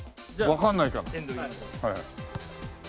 わかんないから。